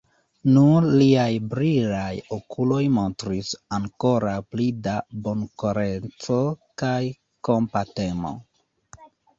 Nur liaj brilaj okuloj montris ankoraŭ pli da bonkoreco kaj kompatemo.